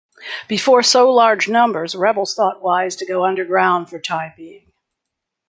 Before so large numbers, rebels thought wise to go under-ground for time being.